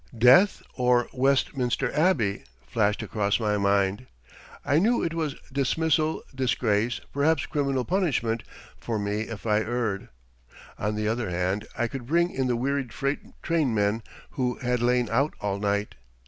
"Death or Westminster Abbey," flashed across my mind. I knew it was dismissal, disgrace, perhaps criminal punishment for me if I erred. On the other hand, I could bring in the wearied freight train men who had lain out all night.